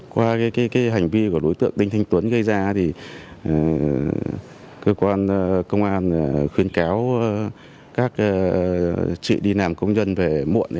qua hành vi của đối tượng đinh thanh tuấn gây ra cơ quan công an khuyên kéo các chị đi nàm công dân về muộn